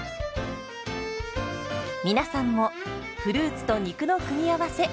皆さんもフルーツと肉の組み合わせ